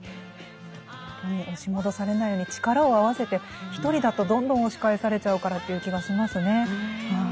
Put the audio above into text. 押し戻されないように力を合わせて一人だとどんどん押し返されちゃうからという気がしますね。